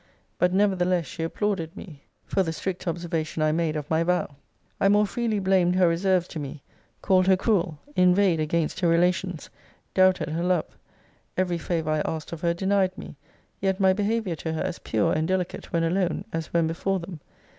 But nevertheless she applauded me for the strict observation I made of my vow. 'I more freely blamed her reserves to me; called her cruel; inveighed against her relations; doubted her love. Every favour I asked of her denied me. Yet my behaviour to her as pure and delicate when alone, as when before them.